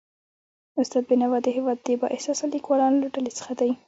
استاد بینوا د هيواد د با احساسه لیکوالانو له ډلې څخه و.